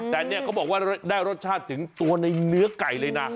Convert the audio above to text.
แต่เนี่ยเขาบอกว่าได้รสชาติถึงตัวในเนื้อไก่เลยนะ